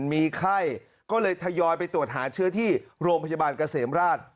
มีไข้ก็เลยทยอยไปตรวจหาเชื้อที่โรงพยาบาลเกษมราช